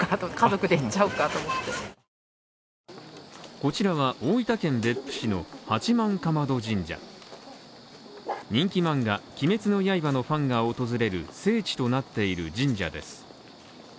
こちらは、大分県別府市の八幡竈門神社人気漫画「鬼滅の刃」のファンが訪れる聖地となっている神社です。